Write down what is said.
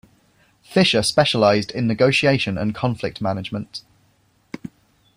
Fisher specialized in negotiation and conflict management.